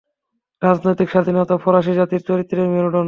রাজনৈতিক স্বাধীনতা ফরাসী জাতির চরিত্রের মেরুদণ্ড।